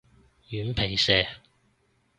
軟皮蛇